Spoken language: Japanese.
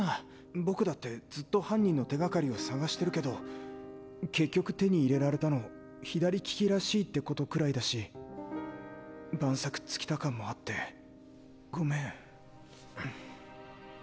僕だってずっと犯人の手がかりを捜してるけど結局手に入れられたの左利きらしいってことくらいだし万策尽きた感もあってごめん。